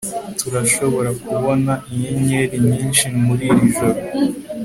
turashobora kubona inyenyeri nyinshi muri iri joro